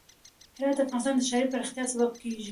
هرات د افغانستان د ښاري پراختیا سبب کېږي.